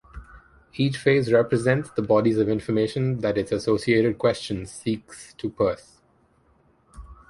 Each phase represents the bodies of information that its associated questions seeks to purse.